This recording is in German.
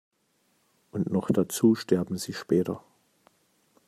Und noch dazu sterben sie später.